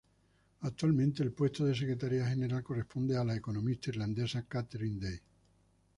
Actualmente el puesto de Secretaria General corresponde a la economista irlandesa Catherine Day.